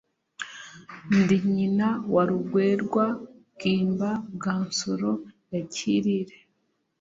Ndi nyina wa RugweRwa Bwimba bwa Nsoro ya Cyirire.